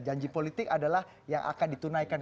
janji politik adalah yang akan ditunaikan